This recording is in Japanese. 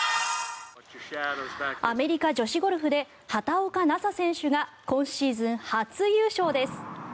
アメリカ女子ゴルフで畑岡奈紗選手が今シーズン初優勝です。